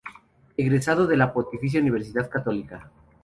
Egresado de la Pontificia Universidad Católica.